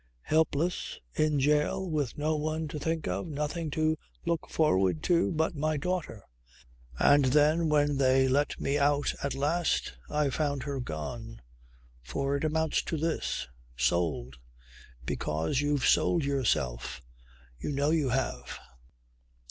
"Helpless, in jail, with no one to think of, nothing to look forward to, but my daughter. And then when they let me out at last I find her gone for it amounts to this. Sold. Because you've sold yourself; you know you have."